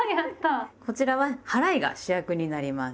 こちらは「はらい」が主役になります。